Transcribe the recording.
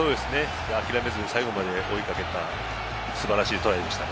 諦めずに最後まで追いかけた素晴らしいトライでした。